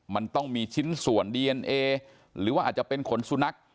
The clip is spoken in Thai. มันต้องมีชิ้นส่วนดีเอนเอหรือว่าอาจจะเป็นขนสุนัข